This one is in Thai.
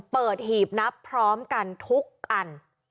หีบนับพร้อมกันทุกอัน